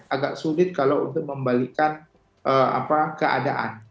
agak sulit kalau untuk membalikan keadaan